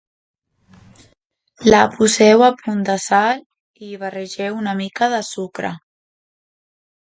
La poseu a punt de sal i hi barregeu una mica de sucre